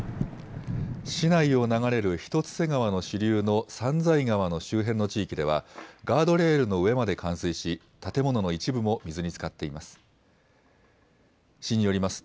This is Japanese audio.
市内を流れる一ツ瀬川の支流の三財川の周辺の地域では、ガードレールの上まで冠水し、建物の一部も水につかっています。